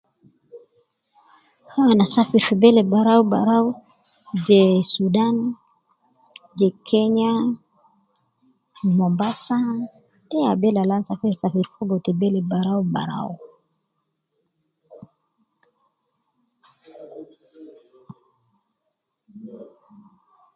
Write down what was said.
Anasa fi bele barawu barawu, je sudan je kenya, mombasa, de ya beleal ana safir safir fogo ta bele barawu barawu.